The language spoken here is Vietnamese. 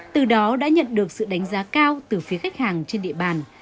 từ đó đã nhận được sự đánh giá cao từ phía khách hàng trên địa bàn